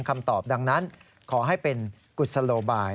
คำตอบดังนั้นขอให้เป็นกุศโลบาย